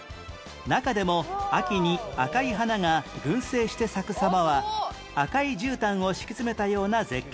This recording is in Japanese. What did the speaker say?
中でも秋に赤い花が群生して咲く様は赤い絨毯を敷き詰めたような絶景